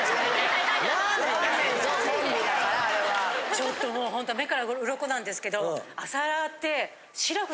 ちょっともうホント目から鱗なんですけど。